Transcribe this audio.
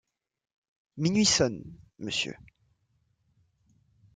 Minuit sonne, Mr.